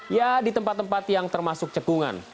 ya di tempat tempat yang termasuk cekungan